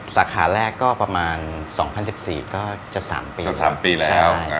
สาขาแรกก็ประมาณ๒๐๑๔ก็จะ๓ปี๓ปีแล้ว